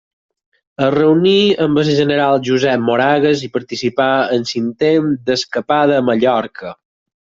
Es reuní amb el General Josep Moragues i participà en l'intent d'escapada a Mallorca.